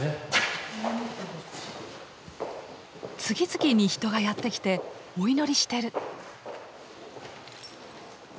次々に人がやって来てお祈りしてる。